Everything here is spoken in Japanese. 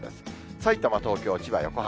さいたま、東京、千葉、横浜。